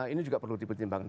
ini juga perlu dipertimbangkan